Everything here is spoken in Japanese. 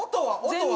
音は？